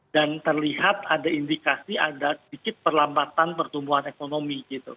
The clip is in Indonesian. dan terlihat ada indikasi ada sedikit perlambatan pertumbuhan ekonomi gitu